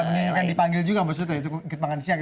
bukan dipanggil juga maksudnya